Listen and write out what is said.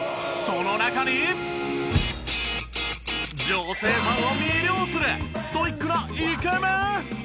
女性ファンを魅了するストイックなイケメン！？